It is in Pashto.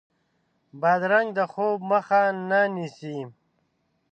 بادرنګ د خوب مخه نه نیسي.